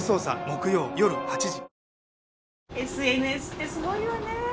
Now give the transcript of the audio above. ＳＮＳってすごいわね。